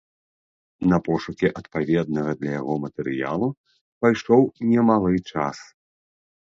На пошукі адпаведнага для яго матэрыялу пайшоў немалы час.